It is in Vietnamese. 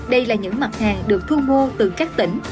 đây là những mặt hàng được thu mua từ các tỉnh